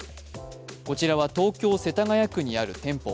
こちらは東京・世田谷区にある店舗。